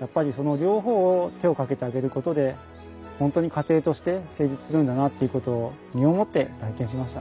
やっぱりその両方を手をかけてあげることで本当に家庭として成立するんだなっていうことを身をもって体験しました。